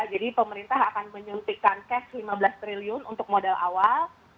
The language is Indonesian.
jadi pemerintah akan menyuntikkan cash lima belas triliun untuk modal awal